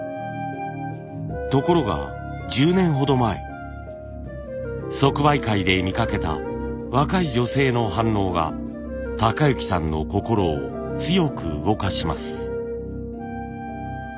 ところが１０年ほど前即売会で見かけた若い女性の反応が崇之さんの心を強く動かします。